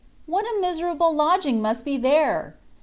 What a miserable lodging must be there